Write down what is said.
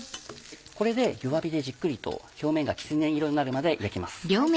これで弱火でじっくりと表面がきつね色になるまで焼きます。